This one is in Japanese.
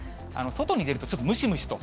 外に出るとちょっとムシムシと。